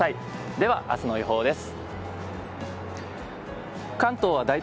では、明日の予報です。